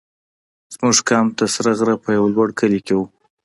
زموږ کمپ د سره غره په یو لوړ کلي کې وو.